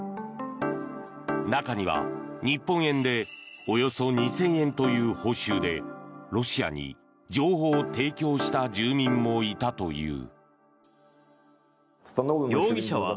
中には、日本円でおよそ２０００円という報酬でロシアに情報を提供した住民もいたという。